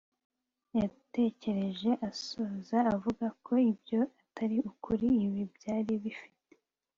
yatekereje, asoza avuga ko ibyo atari ukuri. ibi byari bifite